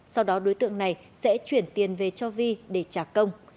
sau đó đối tượng này sẽ chuyển tiền về cho vi để trả công